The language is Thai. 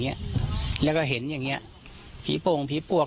หญิงบอกว่าจะเป็นพี่ปวกหญิงบอกว่าจะเป็นพี่ปวก